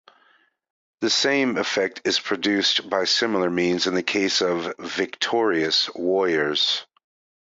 The same effect is produced by similar means in the case of victorious warriors.